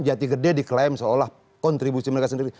jati gede diklaim seolah kontribusi mereka sendiri